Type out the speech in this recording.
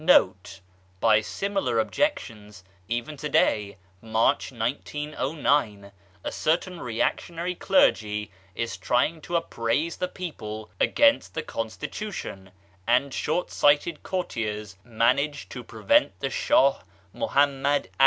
By similar objectioiu, even to day (March 1909) a certain reactionary clergy is trying to upraise the people against the Constitution, and shortsighted (»urtiers manage to prevent the Shah Muhainmad Al!